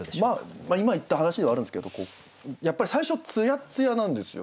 今言った話ではあるんですけどやっぱり最初つやっつやなんですよ。